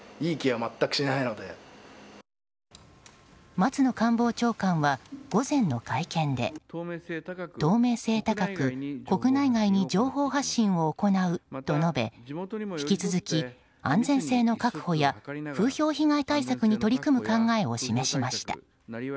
松野官房長官は午前の会見で透明性高く国内外に情報発信を行うと述べ引き続き、安全性の確保や風評被害対策に取り組む考えを示しました。